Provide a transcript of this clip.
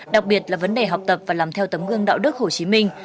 đặc biệt là vấn đề học tập và làm theo tấm gương đạo đức hồ chí minh